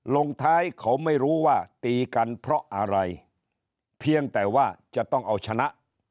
ลงท้ายเขาไม่รู้ว่าตีกันเพราะอะไรเพียงแต่ว่าจะต้องเอาชนะ